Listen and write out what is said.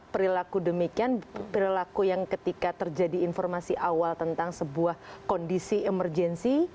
perilaku demikian perilaku yang ketika terjadi informasi awal tentang sebuah kondisi emergensi